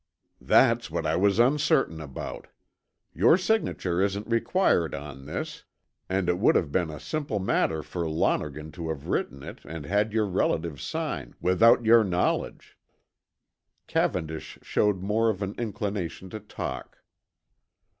"That's what I was uncertain about. Your signature isn't required on this, and it would have been a simple matter for Lonergan to have written it and had your relatives sign, without your knowledge." Cavendish showed more of an inclination to talk.